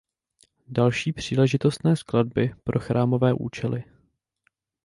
Další příležitostné skladby pro chrámové účely.